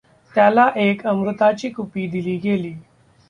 त्याला एक अमृताची कुपी दिली गेली.